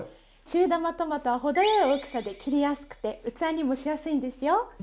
中玉トマトは程よい大きさで切りやすくて器にもしやすいんですよ。